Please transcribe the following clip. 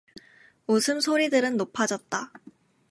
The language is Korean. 웃음 소리들은 높아졌다.